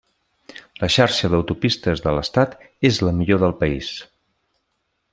La xarxa d'autopistes de l'estat és la millor del país.